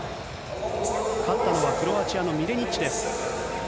勝ったのはクロアチアのミリェニッチです。